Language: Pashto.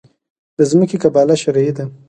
د ځمکې قباله شرعي ده؟